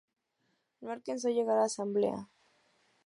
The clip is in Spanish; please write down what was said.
No alcanzó a llegar a la Asamblea.